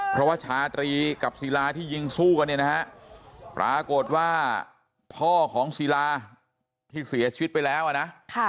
เพราะว่าชาตรีกับศิลาที่ยิงสู้กันเนี่ยนะฮะปรากฏว่าพ่อของศิลาที่เสียชีวิตไปแล้วอ่ะนะ